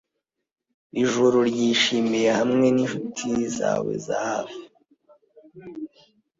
Ijoro ryishimiye hamwe ninshuti zawe za hafi